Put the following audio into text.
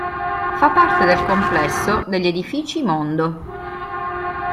Fa parte del complesso degli Edifici Mondo.